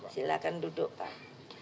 silahkan duduk pak